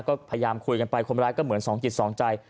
ก็พยายามคุยกันไปคนร้ายก็เหมือนสองจิตสองใจ